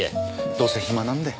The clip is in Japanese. どうせ暇なんで。